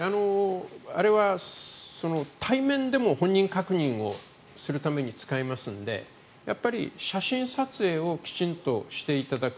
あれは対面でも本人確認をするために使えますので、写真撮影をきちんとしていただく。